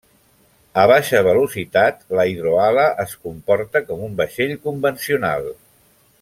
A baixa velocitat, la hidroala es comporta com un vaixell convencional.